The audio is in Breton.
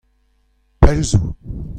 Pell zo.